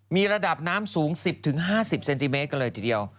มีระดับน้ำสูง๑๐๕๐เซนติเมตรกันเลยทีเดียว